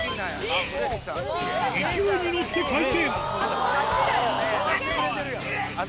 勢いに乗って回転。